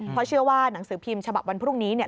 เพราะเชื่อว่าหนังสือพิมพ์ฉบับวันพรุ่งนี้เนี่ย